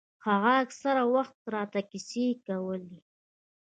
هغه اکثره وخت راته کيسې کولې.